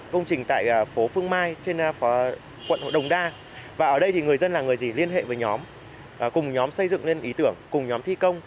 công trình tại phố phương mai trên quận đồng đa và ở đây thì người dân là người gì liên hệ với nhóm cùng nhóm xây dựng lên ý tưởng cùng nhóm thi công